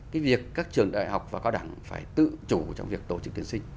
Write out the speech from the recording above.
cái việc các trường đại học và cao đẳng phải tự chủ trong việc tổ chức tuyển sinh